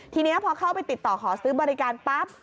ทีนี้พอเข้าไปติดต่อขอซื้อบริการปั๊บ